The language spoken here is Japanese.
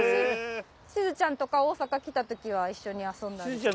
しずちゃんとか大阪来た時は一緒に遊んだり。